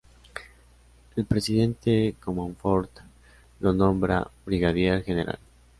El Presidente Comonfort lo nombra Brigadier General.